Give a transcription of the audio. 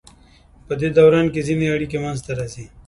پدې دوران کې ځینې اړیکې منځ ته راځي.